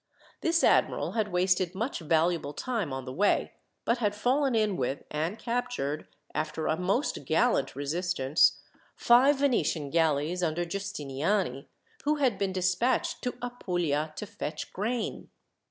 This admiral had wasted much valuable time on the way, but had fallen in with and captured, after a most gallant resistance, five Venetian galleys under Giustiniani, who had been despatched to Apulia to fetch grain.